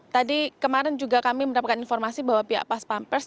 tadi kemarin juga kami mendapatkan informasi bahwa pihak pas pampers